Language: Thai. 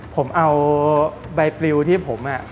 ผมเอาใบปริวที่ผมอ่ะ